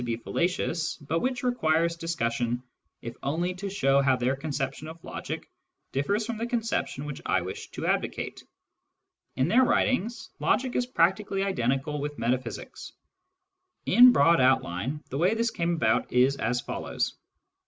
Digitized by Google 38 SCIENTIFIC METHOD IN PHILOSOPHY fallacious, but which requires discussion if only to show how their conception of logic differs from the conception J which I wish to advocate. In their writings, logic is practically identical with metaphysics. In broad outline, the way this came about is as follows.